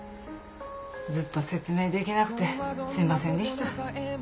ずっと説明できなくてすいませんでした。